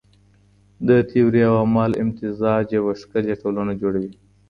د تيوري او عمل امتزاج يوه ښکلې ټولنه جوړوي.